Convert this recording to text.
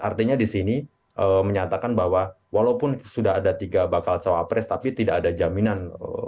artinya di sini menyatakan bahwa walaupun sudah ada tiga bakal cawapres tapi tidak ada jaminan